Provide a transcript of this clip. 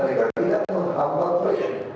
berkait dengan reklamasi